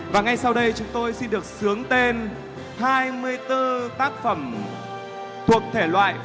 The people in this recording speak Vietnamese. và ngay sau đây chúng tôi xin được sướng tên hai mươi bốn tác phẩm thuộc thể loại phát thanh đặt giải vàng